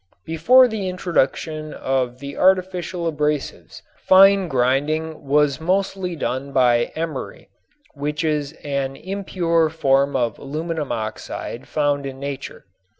Before the introduction of the artificial abrasives fine grinding was mostly done by emery, which is an impure form of aluminum oxide found in nature.